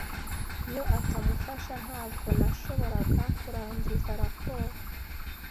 Iyo atamufasha, ntabwo nashoboraga kurangiza raporo.